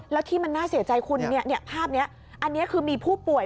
แล้วที่มันน่าเสียใจคุณภาพนี้อันนี้คือมีผู้ป่วย